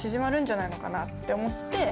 んじゃないのかなって思って。